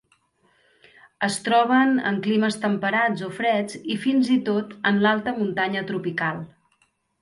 Es troben en climes temperats o freds i fins i tot en l'alta muntanya tropical.